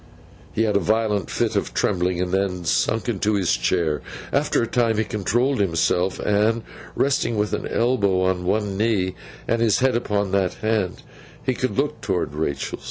He had a violent fit of trembling, and then sunk into his chair. After a time he controlled himself, and, resting with an elbow on one knee, and his head upon that hand, could look towards Rachael.